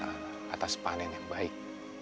atas panen yang baik